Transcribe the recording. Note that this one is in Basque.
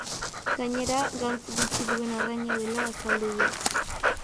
Gainera, gantz gutxi duen arraina dela azaldu du.